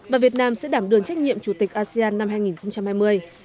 và việt nam sẽ đảm đường trách nhiệm chủ tịch asean năm hai nghìn hai mươi